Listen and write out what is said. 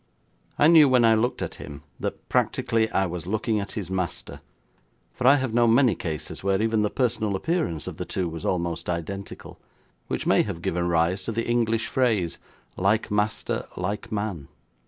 I knew, when I looked at him, that practically I was looking at his master, for I have known many cases where even the personal appearance of the two was almost identical, which may have given rise to the English phrase, 'Like master, like man.'